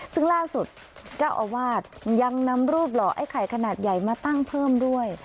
ซึ่งล่าสุดเจ้าอาวาสยังนำรูปหล่อไอ้ไข่ขนาดใหญ่มาตั้งเพิ่มด้วย